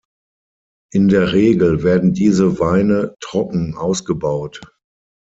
In der Regel werden diese Weine trocken ausgebaut.